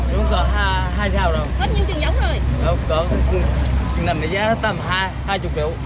rồi xuống cả hai xeo rồi